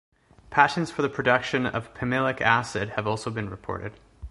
Patents for the production of pimelic acid have also been reported.